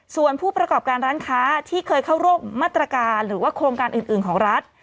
ส่วนผู้ประกอบการร้านค้าที่เคยเข้าร่วมมาตรการหรือว่าโครงการอื่นของรัฐ